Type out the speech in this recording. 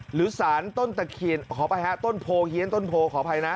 หรือสารต้นตะเคียนขอไปฮะต้นโพเฮียนต้นโพขออภัยนะ